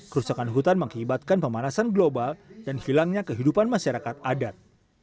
kerusakan hutan mengakibatkan pemanasan global dan hilangnya kehidupan masyarakat adat